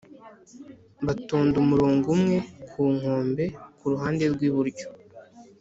batonda umurongo umwe ku inkombe kuruhande rw’iburyo